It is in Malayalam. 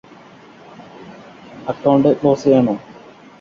അക്കൗണ്ട് ക്ലോസ് ചെയ്യണോ